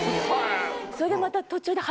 それでまた途中で。